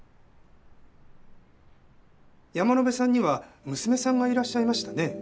山野辺さんには娘さんがいらっしゃいましたね。